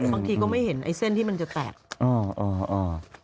ก็ไม่เห็นไอ้เส้นที่มันจะแตก